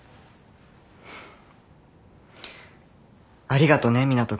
ありがとね湊斗